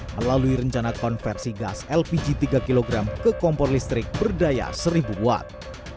melalui rencana konversi gas lpg tiga kg ke kompor listrik berdaya seribu watt